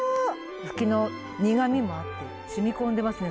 フキの苦みもあって染み込んでますね